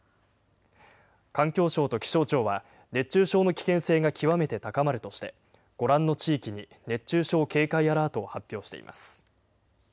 環境省と気象庁は、熱中症の危険性が極めて高まるとして、ご覧の地域に熱中症警戒アラートを発表しています。